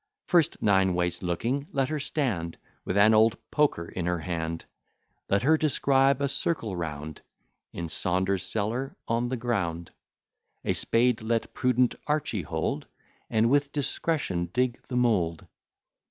First, nine ways looking, let her stand With an old poker in her hand; Let her describe a circle round In Saunders' cellar on the ground: A spade let prudent Archy hold, And with discretion dig the mould.